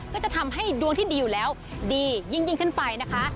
ก็จะทำให้ดวงที่ดีอยู่แล้วดียิ่งขึ้นไปนะคะ